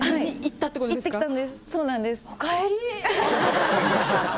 そうなんです。